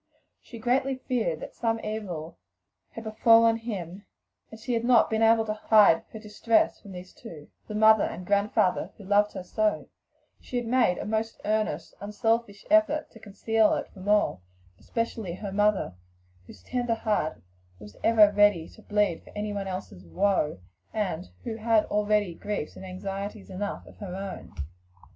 She greatly feared that some evil had befallen him, and had not been able to hide her distress from these two the mother and grandfather who loved her so though making most earnest, unselfish efforts to conceal it from all, especially her mother, whose tender heart was ever ready to bleed for another's woe, and who had already griefs and anxieties enough of her own.